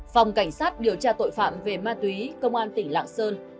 phòng cảnh sát điều tra tội phạm về ma túy công an tỉnh lạng sơn